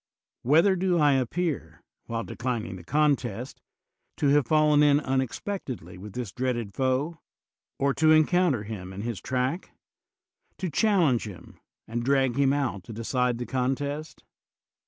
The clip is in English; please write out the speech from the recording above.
Whether do I appear, while declining the contest, to have fallen in unexpectedly with this dreaded foe, w to encounter him in his track? to challenge him, and drag him out to decide the contest?